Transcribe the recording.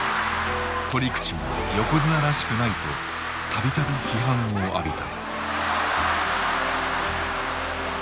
取り口が横綱らしくないと度々批判を浴びた。